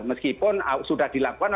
meskipun sudah dilakukan